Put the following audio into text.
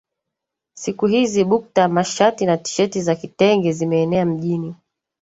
siku hizi bukta mashati na tisheti za kitenge zimeenea mjini